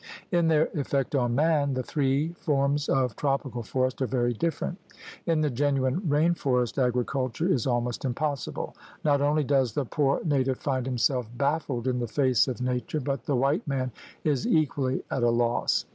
In their effect on man, the three forms of tropical forest are very different. In the genuine rain forest agriculture is almost impossible. Not only does the poor native find himself bafSed in the face of Nature, but the white man is equally at a loss.